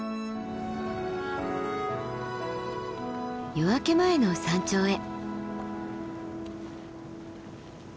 夜明け前の山頂へ。